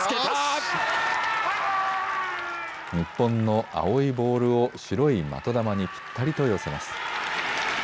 日本の青いボールを白い的球にぴったりと寄せます。